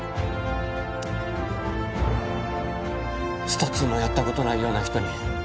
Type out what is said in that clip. スト Ⅱ もやったことないような人に